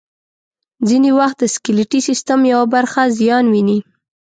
ځینې وخت د سکلیټي سیستم یوه برخه زیان ویني.